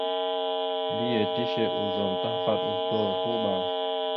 Mbiyez tishe ozum tahəpaɗ oslo, tuɓa.